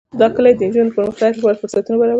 دا کلي د نجونو د پرمختګ لپاره فرصتونه برابروي.